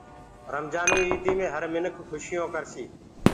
رمجآنٚوئي ايٚدي مي هر مِنک کوشيونٚ ڪرسي